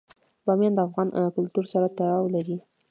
بامیان د افغان کلتور سره تړاو لري.